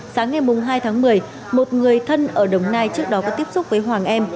sáng ngày hai tháng một mươi một người thân ở đồng nai trước đó có tiếp xúc với hoàng em